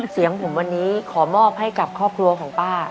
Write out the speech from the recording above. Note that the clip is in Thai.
เสียงผมวันนี้ขอมอบให้กับครอบครัวของป้า